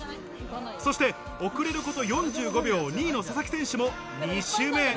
そして遅れること４５秒、２位の佐々木選手も２周目へ。